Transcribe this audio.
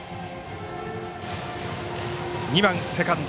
２番、セカンド